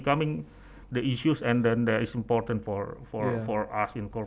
kita tidak berharap untuk itu ya